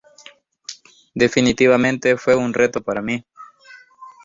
Definitivamente fue un reto para mí.